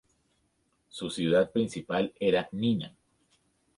Su ciudad principal era Nina.